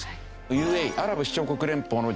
ＵＡＥ・アラブ首長国連邦の人工衛星